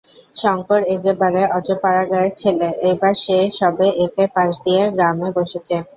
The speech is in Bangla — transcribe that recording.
শঙ্কর একেবারে অজ পাড়াগাঁয়ের ছেলে। এইবার সে সবে এফ্.এ. পাশ দিয়ে গ্রামে বসেচে।